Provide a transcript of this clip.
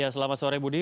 selamat sore budi